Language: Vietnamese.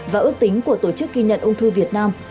và ước tính của tổ chức ghi nhận ung thư việt nam